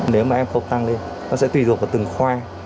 nếu mà em không tăng lên nó sẽ tùy dụng vào từng khoa